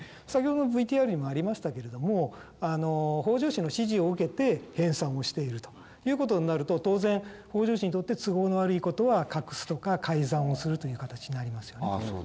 先ほどのＶＴＲにもありましたけれども北条氏の指示を受けて編纂をしているということになると当然北条氏にとって都合の悪いことは隠すとか改ざんをするという形になりますよね。